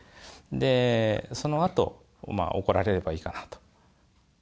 でそのあと怒られればいいかなと。